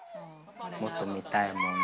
もっと見たいもんね。